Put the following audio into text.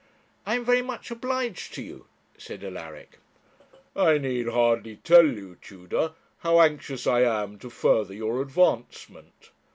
'I am very much obliged to you,' said Alaric. 'I need hardly tell you, Tudor, how anxious I am to further your advancement.